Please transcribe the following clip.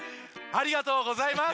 「ありがとうございます」